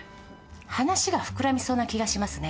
話が膨らみそうな気がしますね。